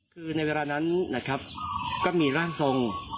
คือในเว้อนั้นนะครับก็มีร่างทรงนะครับ